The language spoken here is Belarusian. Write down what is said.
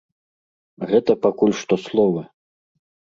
Гэта пакуль што словы.